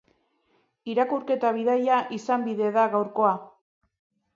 Irakurketa bidaia izan bide da gaurkoa.